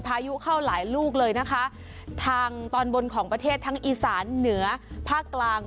พายุเข้าหลายลูกเลยนะคะทางตอนบนของประเทศทั้งอีสานเหนือภาคกลาง